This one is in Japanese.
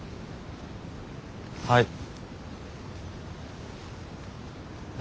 はい。